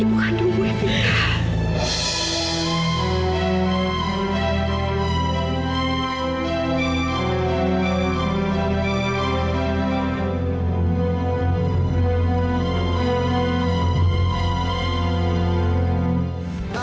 ibu kandungmu arvinda